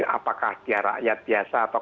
apakah dia rakyat biasa atau